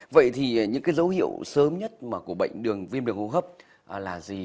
vậy thì những cái dấu hiệu sớm nhất của bệnh đường viêm đường hô hấp là gì